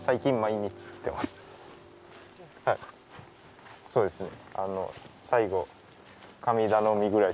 はいそうですね。